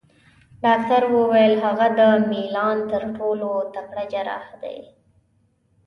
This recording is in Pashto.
ډاکټر وویل: هغه د میلان تر ټولو تکړه جراح دی.